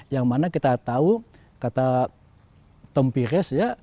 yang mana kita tahu kata tom pires ya